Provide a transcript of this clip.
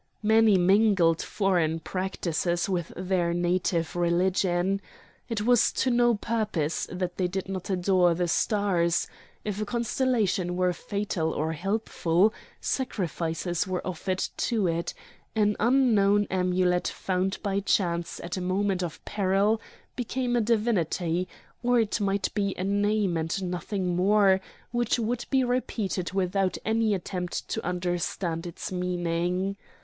Many mingled foreign practices with their native religion. It was to no purpose that they did not adore the stars; if a constellation were fatal or helpful, sacrifices were offered to it; an unknown amulet found by chance at a moment of peril became a divinity; or it might be a name and nothing more, which would be repeated without any attempt to understand its meaning.